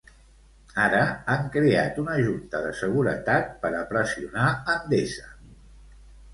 Ara han creat una Junta de Seguretat per a pressionar Endesa.